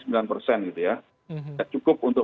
gitu ya cukup untuk